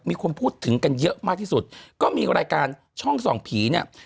มีคนพูดถึงกันเยอะมากที่สุดก็มีรายการช่องส่องผีเนี่ย